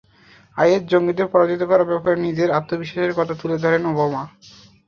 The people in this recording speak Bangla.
আইএস জঙ্গিদের পরাজিত করার ব্যাপারে নিজের আত্মবিশ্বাসের কথা তুলে ধরেন ওবামা।